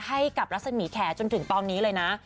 ให้กับรัศมีแขจนถึงตอนนี้เลยนะ